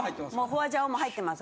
ホアジャオも入ってます。